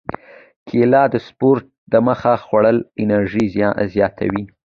کېله د سپورت دمخه خوړل انرژي زیاتوي.